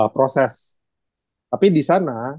proses tapi di sana